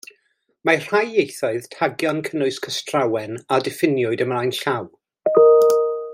Mae rhai ieithoedd tagio'n cynnwys cystrawen a ddiffiniwyd ymlaen llaw.